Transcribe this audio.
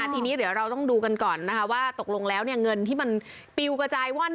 ทีนี้เดี๋ยวเราต้องดูกันก่อนนะคะว่าตกลงแล้วเงินที่มันปิวกระจายว่อน